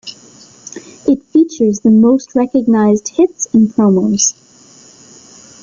It features the most recognized hits and promos.